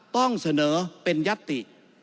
ต้องเสนอเป็นยัตติ